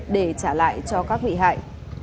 để trả lại cho các bị hại